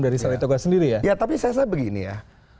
dari salai toga sendiri ya ya tapi saya sampaikan begini ya